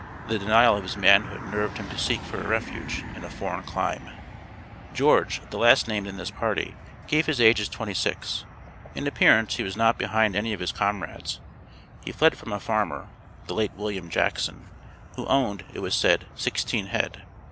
The denial of his manhood nerved him to seek for refuge in a foreign clime. George, the last named in this party, gave his age as twenty six. In appearance he was not behind any of his comrades. He fled from a farmer, (the late William Jackson), who owned, it was said, "sixteen head."